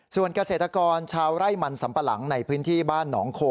ส่วนเกษตรกรชาวไร่มันสัมปะหลังในพื้นที่บ้านหนองโค